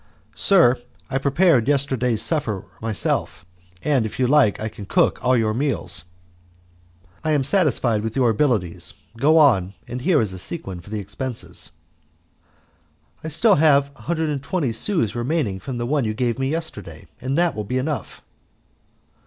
"Sir, I prepared yesterday's supper myself, and if you like I can cook all your meals." "I am satisfied with your abilities, go on, and here is a sequin for expenses." "I still have a hundred and twenty sous remaining from the one you gave me yesterday, and that will be enough."